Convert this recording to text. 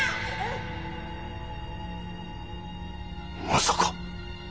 まさか！